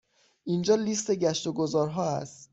اینجا لیست گشت و گذار ها است.